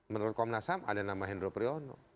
menurut komnas ham ada nama hendro priyono